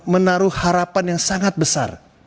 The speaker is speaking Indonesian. menaruh harapan yang sangat besar